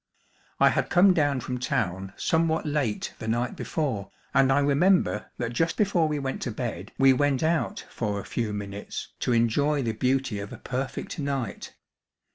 I had come down from town somewhat late the night before, and I remember that just before we went to bed we went out for a few minutes to enjoy the beauty of a perfect night.